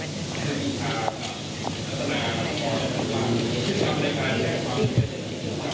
เหมือนกับเขาไปจานด้านหน้าค่ะ